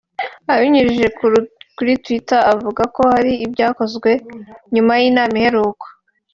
abinyujije kuri twitter avuga ko “hari ibyakozwe nyuma y’inama iheruka